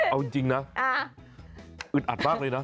เอาจริงนะอึดอัดมากเลยนะ